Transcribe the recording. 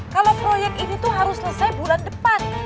kalau proyek ini tuh harus selesai bulan depan